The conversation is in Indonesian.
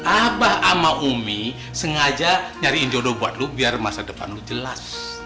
abah sama umi sengaja nyari indodo buat lo biar masa depan lo jelas